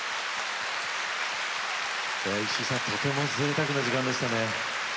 石井さん、とてもぜいたくな時間でしたね。